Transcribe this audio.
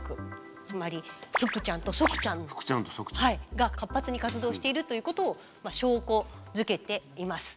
つまり腹ちゃんと側ちゃんが活発に活動しているということを証拠づけています。